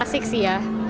asik sih ya